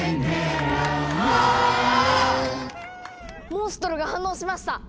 モンストロが反応しました！